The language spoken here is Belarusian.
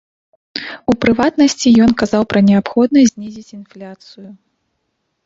У прыватнасці, ён казаў пра неабходнасць знізіць інфляцыю.